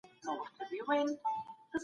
د نړۍ تاريخ ډېرې لوړې ژورې لري.